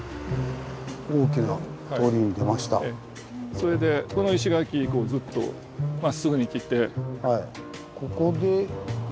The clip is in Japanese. それでこの石垣ずっとまっすぐにきて。